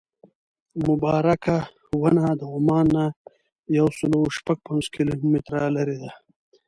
مبارکه ونه د عمان نه یو سل او شپږ پنځوس کیلومتره لرې ده.